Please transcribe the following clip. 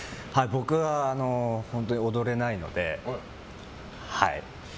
僕は、本当に踊れないので。